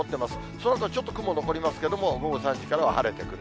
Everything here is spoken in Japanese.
そのあとちょっと雲残りますけど、午後３時からは晴れてくる。